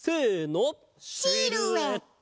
シルエット！